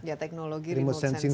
ya teknologi remote sensing